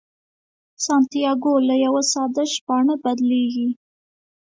سانتیاګو له یوه ساده شپانه بدلیږي.